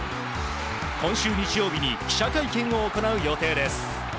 今週日曜日に記者会見を行う予定です。